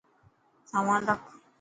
سامان رک.